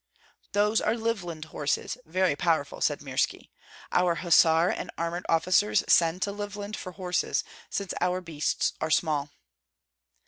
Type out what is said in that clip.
"Those are Livland horses, very powerful," said Mirski. "Our hussar and armored officers send to Livland for horses, since our beasts are small."